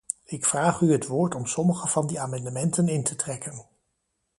Ik vraag u het woord om sommige van die amendementen in te trekken.